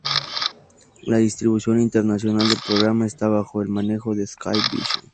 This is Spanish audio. La distribución internacional del programa está bajo el manejo de Sky Vision.